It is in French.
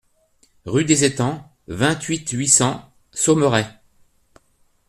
Rue des Etangs, vingt-huit, huit cents Saumeray